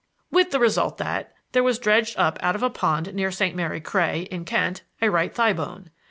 "With the result that there was dredged up out of a pond near St. Mary Cray, in Kent, a right thigh bone.